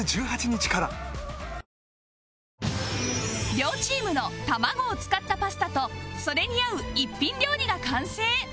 両チームの卵を使ったパスタとそれに合う一品料理が完成